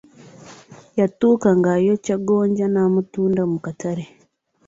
Yatuuka ng’ayokya gonja n'amutunda mu katale.